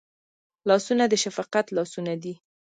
لاسونه د شفقت لاسونه دي